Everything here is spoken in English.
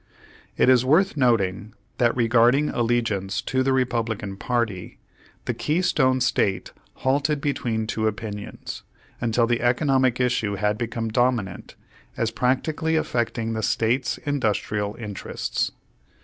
It is worth noting that regarding allegiance to the Republican party, the Keystone State halted between two opinions, until the economic issue had become dominant, as practically affecting the State's industrial interests.